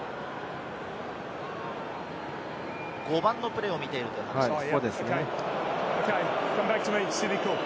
５番のプレーを見ているという話です。